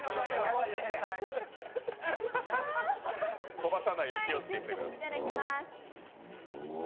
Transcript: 飛ばさないように気をつけてください。